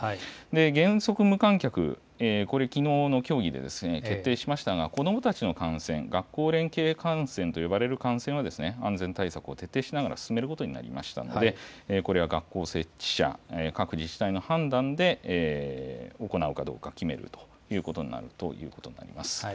原則無観客、これ、きのうの競技でですね、決定しましたが、子どもたちの観戦、学校連携観戦と呼ばれる観戦は、安全対策を徹底しながら進めることになりましたので、これは学校設置者、各自治体の判断で行うかどうか決めるということになるということになります。